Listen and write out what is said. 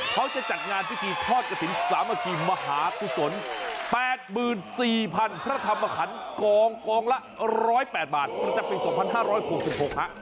เขาจะจัดงานพิธีทอดกระถิ่นสามัคคีมหาภุตน๘๔๐๐๐พระธรรมคันกองละ๑๐๘บาทมันจะเป็น๒๕๖๖บาทครับ